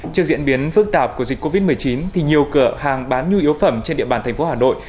trước diễn biến phức tạp của dịch covid một mươi chín thì nhiều cửa hàng bán nhu yếu phẩm trên địa bàn thành phố hà nội